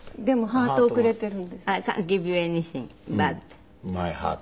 でもハートをくれてるんです。